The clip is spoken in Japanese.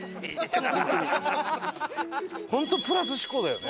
本当プラス思考だよね。